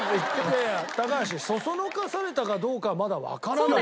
いやいや高橋そそのかされたかどうかはまだわからない。